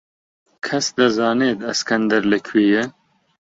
کەس دەزانێت ئەسکەندەر لەکوێیە؟